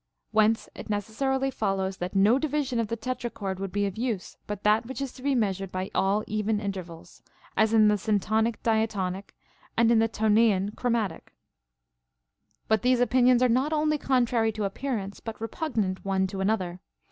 Whence it necessarily follows, that no division of the tetrachord would be of use but that which is to be measured by all even intervals, as in the syntonic diatonic, and in the toniaean chromatic. 39. But these opinions are not only contrary to appear ance, but repugnant one to another.